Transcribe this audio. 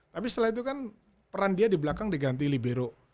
tapi setelah itu kan peran dia di belakang diganti libero